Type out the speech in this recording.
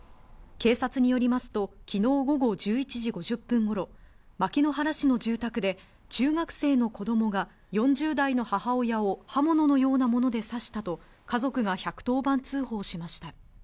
警察によりますと昨日午後１１時５０分頃、牧之原市の住宅で中学生の子供が４０代の母親を刃物のようなもので刺したと家族が１１０番通報しました。